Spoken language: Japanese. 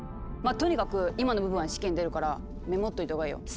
まあとにかく今の部分は試験に出るからメモっといたほうがいいよ。